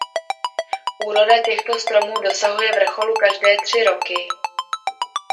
Úroda těchto stromů dosahuje vrcholu každé tři roky.